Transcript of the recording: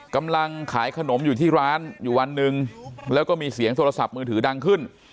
กำลังขายขนมอยู่ที่ร้านอยู่วันหนึ่งแล้วก็มีเสียงโทรศัพท์มือถือดังขึ้น